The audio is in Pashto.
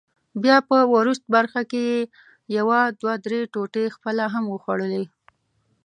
بیا په وروست برخه کې یې یو دوه درې ټوټې خپله هم وخوړلې.